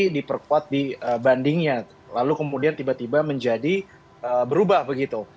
diperkuat dibandingnya lalu kemudian tiba tiba menjadi berubah begitu